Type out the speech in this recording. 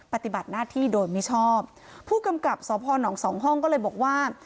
ปฏิบัติหน้าที่โดยมิชอบผู้กำกับสพนสองห้องก็เลยบอกว่า